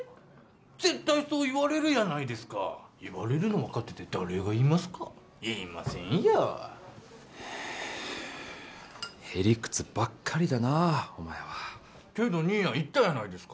絶対そう言われるやないですか言われるの分かってて誰が言いますか言いませんよへ理屈ばっかりだなお前はけど兄やん言ったやないですか